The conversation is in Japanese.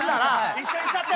一緒にしたって！